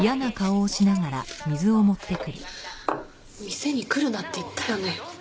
店に来るなって言ったよね？